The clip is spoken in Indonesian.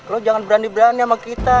lo jangan berani berani sama kita